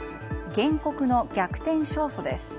原告の逆転勝訴です。